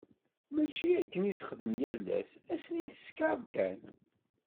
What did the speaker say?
Mačči akken i texdem yal ass, ass-nni teskeṛ kan.